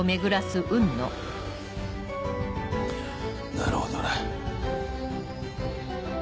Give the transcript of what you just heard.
なるほどな。